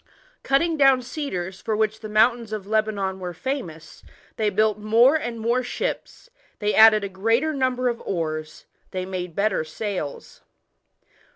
Cutting down cedars, for which the mountains of Lebanon were famous, they built more and more ships, they added a greater number of oars, they made better sails.